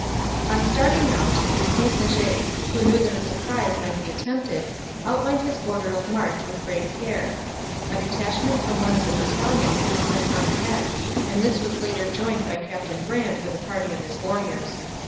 On starting out, St Leger, who knew that a surprise might be attempted, outlined his order of march with great care. A detachment from one of the battalions was sent on ahead, and this was later joined by Captain Brant with a party of his warriors.